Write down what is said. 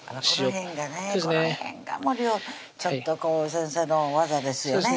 この辺がちょっとこう先生の技ですよね